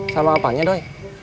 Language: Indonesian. sama apanya doi